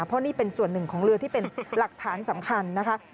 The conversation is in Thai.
เพราะนี่เป็นส่วนหนึ่งของเรือที่เป็นหลักฐานสำคัญนะคะ